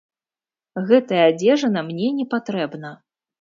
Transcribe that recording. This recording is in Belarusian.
Гэтая адзежына мне не патрэбна.